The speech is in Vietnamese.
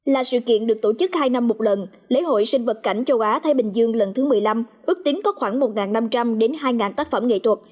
là sự kiện được tổ chức hai năm một lần lễ hội sinh vật cảnh châu á thái bình dương lần thứ một mươi năm ước tính có khoảng một năm trăm linh đến hai tác phẩm nghệ thuật